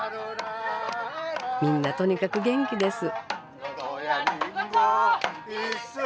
みんなとにかく元気です。